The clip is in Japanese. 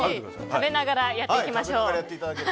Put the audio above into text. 食べながらやっていきましょう。